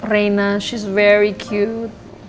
reina dia sangat kacak